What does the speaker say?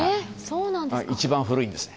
一番古いんです。